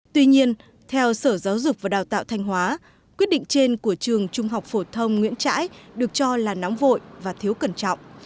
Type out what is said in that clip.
tuy nhiên theo sở giáo dục và đào tạo thanh hóa quyết định trên của trường trung học phổ thông nguyễn trãi được cho là nóng vội và thiếu cẩn trọng